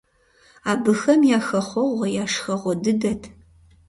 Абыхэм я хэхъуэгъуэ, я шхэгъуэ дыдэт.